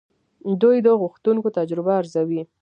دوی د غوښتونکو تجربه ارزوي.